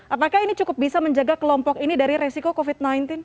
apakah ini cukup bisa menjaga kelompok ini dari resiko covid sembilan belas